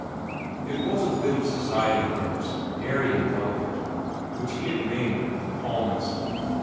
It was a bit of society verse, airy and delicate, which he had named "The Palmist."